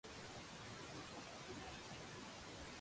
你明顯唔喺度專心上堂啦